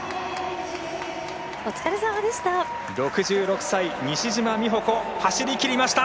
お疲れさまでした！